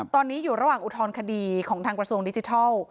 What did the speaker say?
ตอนนี้อยู่ระหว่างอุทธรณคดีของทางกระทรวงดิจิทัล